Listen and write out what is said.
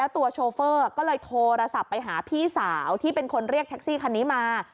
โชเฟอร์ก็เลยโทรศัพท์ไปหาพี่สาวที่เป็นคนเรียกแท็กซี่คันนี้มา